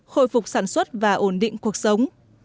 khôi phục sản xuất và ổn định cuộc sống